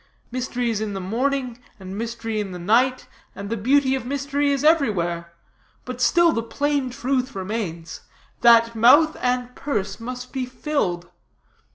Mystery is in the morning, and mystery in the night, and the beauty of mystery is everywhere; but still the plain truth remains, that mouth and purse must be filled.